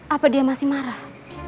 apa dia masih marah